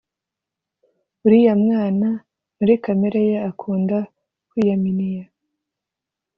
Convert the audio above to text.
uriya mwana muri kamere ye akunda kwiyaminiya